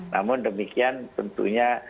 namun demikian tentunya